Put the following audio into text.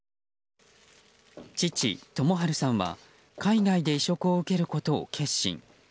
父・智春さんは、海外で移植を受けることを決心。